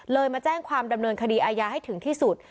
มาแจ้งความดำเนินคดีอาญาให้ถึงที่สุด